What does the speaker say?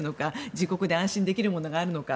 自国で安心できるものがあるのか。